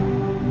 terima kasih ya